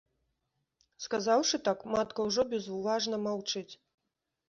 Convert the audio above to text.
Сказаўшы так, матка ўжо безуважна маўчыць.